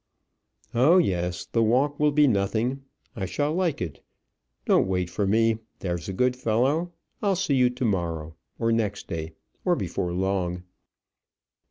"Oh, yes; the walk will be nothing: I shall like it. Don't wait for me, there's a good fellow. I'll see you to morrow, or next day, or before long."